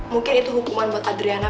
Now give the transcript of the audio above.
mungkin itu hukuman buat adriana